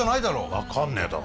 分かんねえだろ。